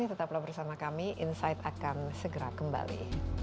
tetaplah bersama kami insight akan segera kembali